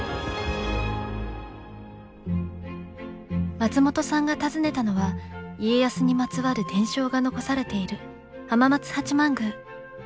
松本さんが訪ねたのは家康にまつわる伝承が残されている浜松八幡宮。